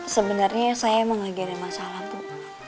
sebenarnya saya emang lagi ada masalah bu